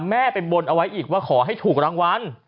แม่ไปบนเอาไว้อีกว่าขอให้ถูกรางวัล